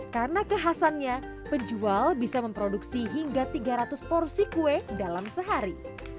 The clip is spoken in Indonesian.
karena kehasannya penjual bisa memproduksi hingga tiga ratus porsi kue dalam sehari